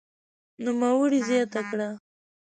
نوموړي زياته کړه